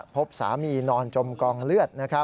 พบสามีนอนจมกองเลือด